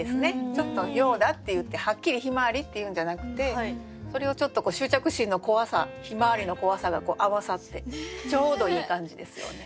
ちょっと「ようだ」って言ってはっきり「ひまわり」って言うんじゃなくてそれをちょっと執着心の怖さひまわりの怖さが合わさってちょうどいい感じですよね。